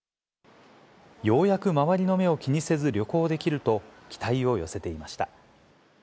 ようやく周りの目を気にせず旅行できると、期待を寄せていました。